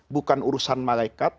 bukan urusan malekat